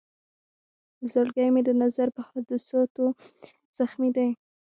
زړګی مې د نظر په حادثاتو زخمي دی.